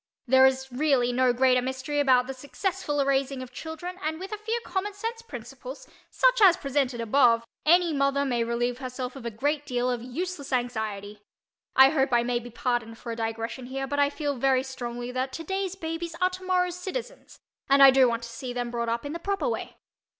There is, really, no great mystery about the successful raising of children and with a few common sense principles, such as presented above, any mother may relieve herself of a great deal of useless anxiety. I hope I may be pardoned for a digression here, but I feel very strongly that "today's babies are tomorrow's citizens" and I do want to see them brought up in the proper way.